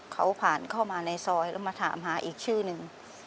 เขาผ่านเข้ามาในซอยแล้วมาถามหาอีกชื่อนึง